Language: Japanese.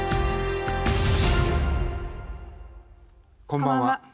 こんばんは。